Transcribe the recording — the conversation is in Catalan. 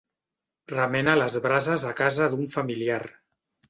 Remena les brases a casa d'un familiar.